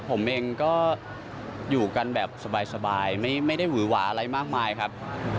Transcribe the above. ผมเองก็อยู่กันแบบสบายไม่ได้หวือหวาอะไรมากมายครับ